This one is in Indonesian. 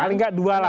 maling nggak dua lah